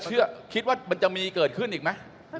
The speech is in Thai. คิดว่ามันจะมีเกิดขึ้นอีกไหม